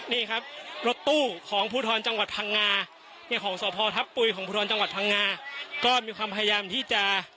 นี่ครับรถตู้ของภูทรจังหวัดพังงาเนี่ยของสพทัพปุ๋ยของภูทรจังหวัดพังงาก็มีความพยายามที่จะ